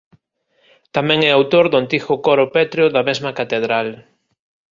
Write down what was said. Tamén é autor do antigo coro pétreo da mesma catedral.